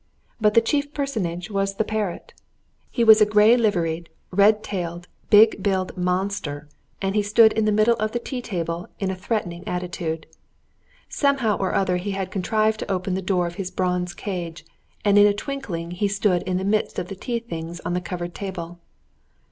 But the chief personage was the parrot. He was a grey liveried, red tailed, big billed monster, and he stood in the middle of the tea table in a threatening attitude. Somehow or other he had contrived to open the door of his bronze cage, and in a twinkling he stood in the midst of the tea things on the covered table.